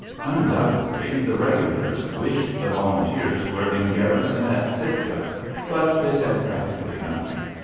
Undoubtedly the regulars wished the volunteers were in garrison at Sitka, but they said practically nothing.